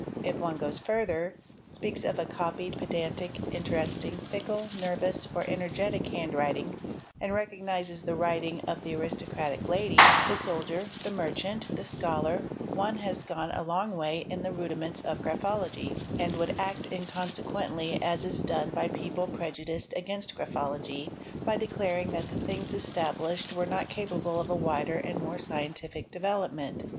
If one goes further— speaks of a copied, pedantic, interesting, fickle, nervous, or energetic handwriting and recognises the writing of the aristocratic lady, the soldier, the merchant, the scholar, one has gone a long way in the rudiments of graphology, and would act inconsequently, as is done by people prejudiced against graphology, by declaring that the things esta blished were not capable of a wider and more scientific development.